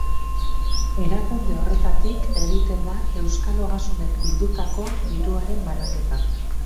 Erakunde horretatik egiten da euskal ogasunek bildutako diruaren banaketa.